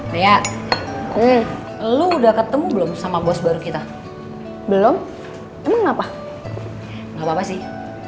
ria lu udah ketemu belum sama bos baru kita belum ngapa ngapa sih